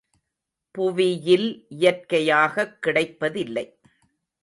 புவியில் இயற்கையாகக் கிடைப்பதில்லை.